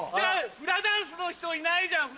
フラダンスの人いないじゃん！